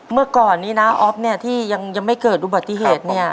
เมื่อก่อนนี้นะอ๊อฟเนี่ยที่ยังไม่เกิดอุบัติเหตุเนี่ย